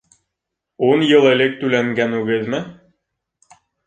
— Ун йыл элек түләнгән үгеҙме?